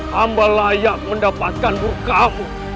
hamba layak mendapatkan murkamu